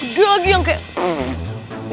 gede lagi yang kayak